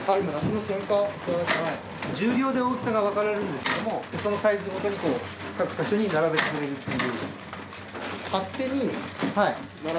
重量で大きさが分かれるんですけどもそのサイズごとに各箇所に並べてくれるっていう。